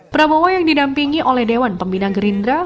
prabowo yang didampingi oleh dewan pembina gerindra